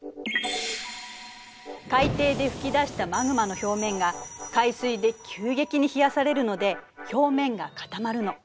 海底で噴き出したマグマの表面が海水で急激に冷やされるので表面が固まるの。